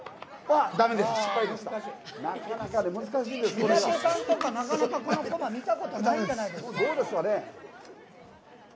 三宅さん、なかなかこのこま見たことないんじゃないですか？